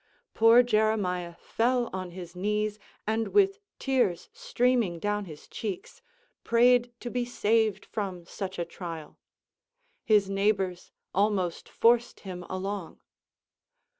Poor Jeremiah fell on his knees, and with tears streaming down his cheeks, prayed to be saved from such a trial. His neighbors almost forced him along.